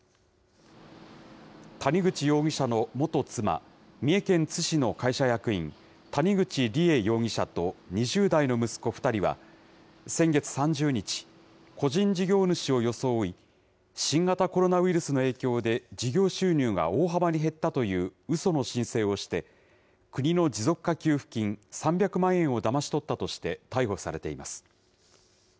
谷口容疑者の元妻、三重県津市の会社役員、谷口梨恵容疑者と２０代の息子２人は、先月３０日、個人事業主を装い、新型コロナウイルスの影響で事業収入が大幅に減ったといううその申請をして、国の持続化給付金３００万円をだまし取ったとして逮捕されています。